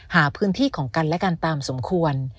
หาพื้นที่ของกันและกันตามสมควร